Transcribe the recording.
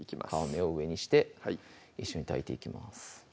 皮目を上にして一緒に炊いていきます